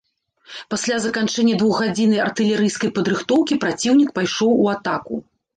Пасля заканчэння двухгадзіннай артылерыйскай падрыхтоўкі праціўнік пайшоў у атаку.